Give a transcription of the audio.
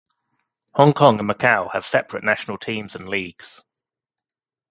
Hong Kong and Macau have separate national teams and leagues.